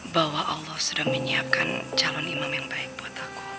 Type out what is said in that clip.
bahwa allah sudah menyiapkan calon imam yang baik buat aku